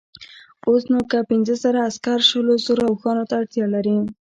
اوس نو که پنځه زره عسکر شلو زرو اوښانو ته اړتیا لري.